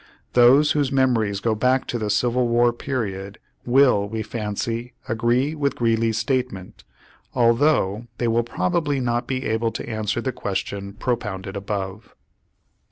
Those whose memories go back to the Civil War period will, we fancy, agree with Greeley's statement, although they will probably not be able to answer the question propounded above.